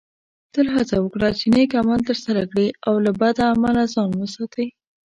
تل هڅه وکړه چې نیک عمل ترسره کړې او له بد عمله ځان وساتې